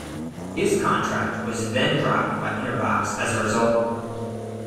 His contract was then dropped by Interbox as a result.